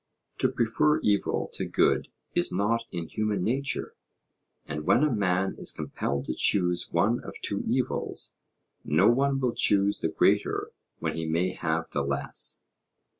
To prefer evil to good is not in human nature; and when a man is compelled to choose one of two evils, no one will choose the greater when he may have the less.